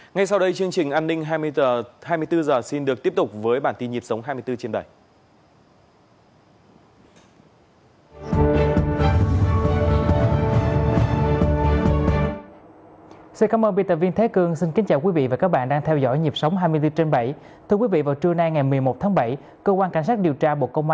ngay sau đó bộ công tác thuộc bộ công an và viện kiểm sát nhân dân tối cao